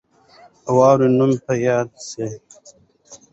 د واورې نوم به یاد سي.